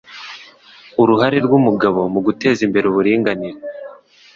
Uruhare rw' umugabo mu guteza imbere uburinganire